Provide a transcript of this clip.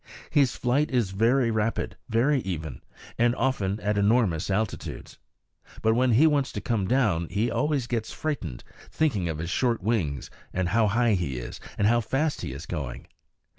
His flight is very rapid, very even, and often at enormous altitudes. But when he wants to come down he always gets frightened, thinking of his short wings, and how high he is, and how fast he is going.